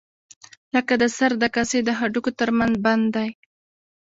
لکه د سر د کاسې د هډوکو تر منځ بند دی.